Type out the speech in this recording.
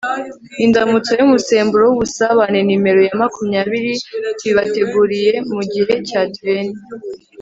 indamutso y'umusemburo w'ubusabane nimero ya makumyabiri tuyibateguriye mu gihe cy'adventi